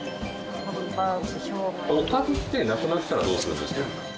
おかずってなくなったらどうするんですか？